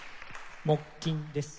木琴です。